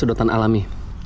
sudah tidak alami